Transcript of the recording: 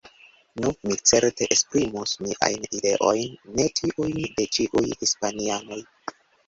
Nu, mi certe esprimus miajn ideojn, ne tiujn de ĉiuj hispanianoj.